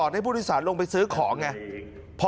สวัสดีครับคุณผู้ชาย